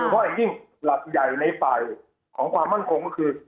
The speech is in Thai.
เพราะจริงหลักใหญ่ในฝ่ายของความมั่งคงก็คือ